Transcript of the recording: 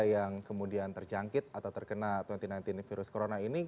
yang kemudian terjangkit atau terkena covid sembilan belas ini